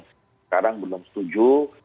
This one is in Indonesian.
sekarang belum setuju